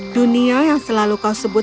dunia yang selalu kau sebut